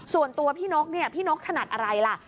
ส่วนตัวพี่นกเนี่ยพี่นกถนัดอะไรล่ะ